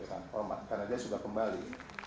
karena dia sudah kembali